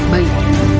dù đắng hay mưa